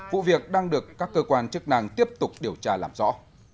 vụ việc đang được các cơ quan chức năng tiếp tục điều tra làm rõ